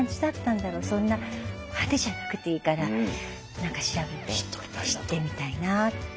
そんな派手じゃなくていいから何か調べて知ってみたいなって。